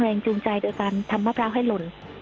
แรงจูงใจโดยการทำมะพร้าวให้หล่น